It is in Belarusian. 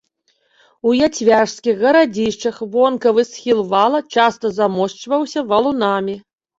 У яцвяжскіх гарадзішчах вонкавы схіл вала часта замошчваўся валунамі.